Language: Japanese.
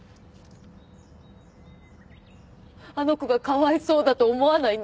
あの子がかわいそうだと思わないんですか？